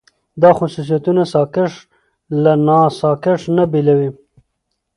دا خصوصيتونه ساکښ له ناساکښ نه بېلوي.